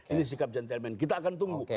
ini sikap gentleman kita akan tunggu